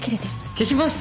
消します！